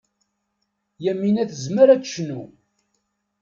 Yamina tezmer ad tecnu.